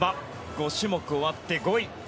５種目終わって５位。